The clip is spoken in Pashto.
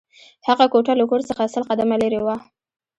هغه کوټه له کور څخه سل قدمه لېرې وه